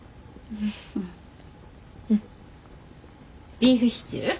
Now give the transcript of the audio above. ビーフシチュー？